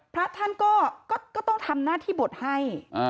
พระท่านก็ต้องทำหน้าที่บทให้